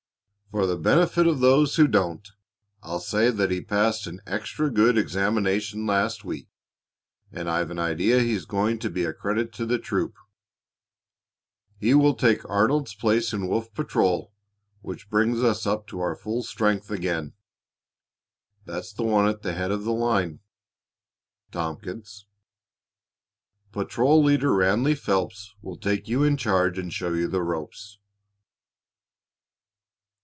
"For the benefit of those who don't, I'll say that he passed an extra good examination last week, and I've an idea he's going to be a credit to the troop. He will take Arnold's place in Wolf patrol, which brings us up to our full strength again. That's the one at the head of the line, Tompkins. Patrol leader Ranleigh Phelps will take you in charge and show you the ropes."